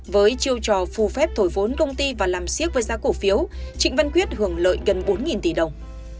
với chiêu trò phù phép thổi vốn công ty và làm siết với giá cổ phiếu trịnh văn quyết hưởng lợi gần bốn tỷ đồng